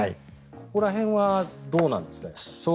ここら辺はどうなんですか。